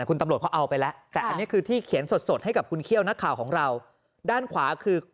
คุณตำรวจเขาเอาไปแล้วแต่อันนี้คือที่เขียนสดสดให้กับคุณเขี้ยวนักข่าวของเราด้านขวาคือ